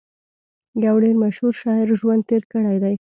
يو ډېر مشهور شاعر ژوند تېر کړی دی